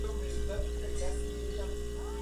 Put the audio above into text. Fue un declarado admirador de Kafka, Poe y Borges.